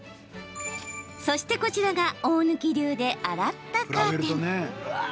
そして、こちらが大貫流で洗ったカーテン。